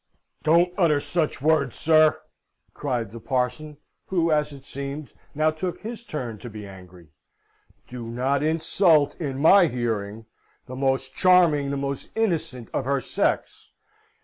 "Don't utter such words, sir!" cried the parson, who, as it seemed, now took his turn to be angry. "Do not insult, in my hearing, the most charming, the most innocent of her sex!